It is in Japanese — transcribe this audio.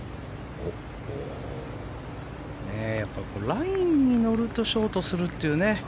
ラインに乗るとショートするというね。